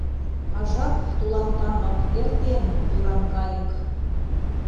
А жап — тулан тамык — Эртен, вӱран кайык.